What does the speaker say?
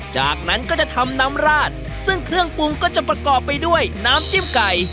จากนั้นก็จะทำน้ำราดซึ่งเครื่องปรุงก็จะประกอบไปด้วยน้ำจิ้มไก่